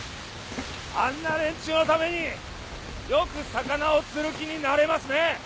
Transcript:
あんな連中のためによく魚を釣る気になれますね！